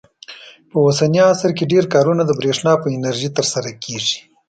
په اوسني عصر کې ډېر کارونه د برېښنا په انرژۍ ترسره کېږي.